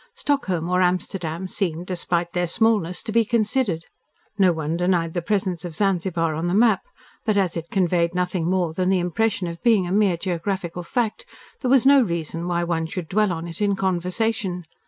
Stockholm or Amsterdam seemed, despite their smallness, to be considered. No one denied the presence of Zanzibar on the map, but as it conveyed nothing more than the impression of being a mere geographical fact, there was no reason why one should dwell on it in conversation.